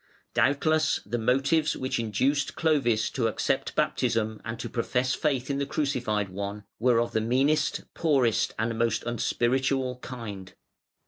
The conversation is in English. Doubtless the motives which induced Clovis to accept baptism and to profess faith in the Crucified One were of the meanest, poorest, and most unspiritual kind.